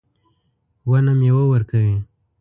ونه میوه ورکوي